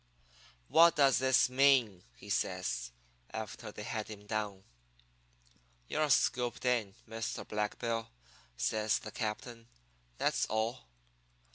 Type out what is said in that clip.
"'What does this mean?' he says, after they had him down. "'You're scooped in, Mr. Black Bill,' says the captain. 'That's all.'